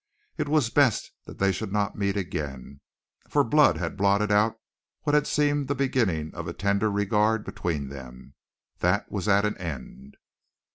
It was best that they should not meet again, for blood had blotted out what had seemed the beginning of a tender regard between them. That was at an end.